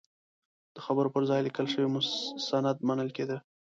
د خبرو پر ځای لیکل شوی سند منل کېده.